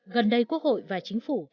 gần đây quốc hội và chính phủ